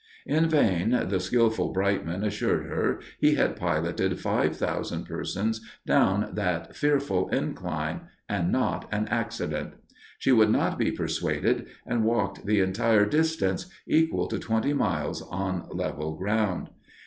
In vain the skillful Brightman assured her he had piloted five thousand persons down that fearful incline, and not an accident. She would not be persuaded, and walked the entire distance, equal to twenty miles on level ground.